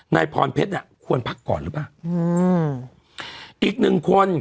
นายพรเพชรเนี้ยควรพักก่อนหรือเปล่าอืมอีกหนึ่งคน